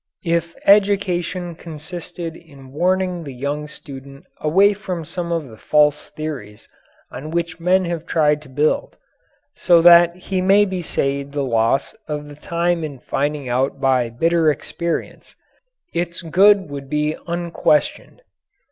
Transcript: If education consisted in warning the young student away from some of the false theories on which men have tried to build, so that he may be saved the loss of the time in finding out by bitter experience, its good would be unquestioned.